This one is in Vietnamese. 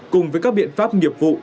cùng với các biện pháp nghiệp vụ